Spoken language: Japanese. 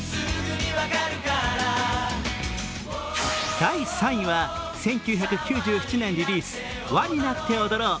第３位は１９９７年リリース、「ＷＡになっておどろう」。